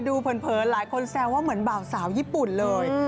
เผินหลายคนแซวว่าเหมือนบ่าวสาวญี่ปุ่นเลย